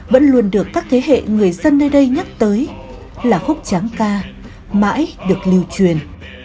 vẫn luôn được các thế hệ người dân nơi đây nhắc tới là khúc tráng ca mãi được lưu truyền